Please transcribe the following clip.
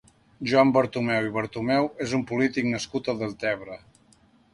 Joan Bertomeu i Bertomeu és un polític nascut a Deltebre.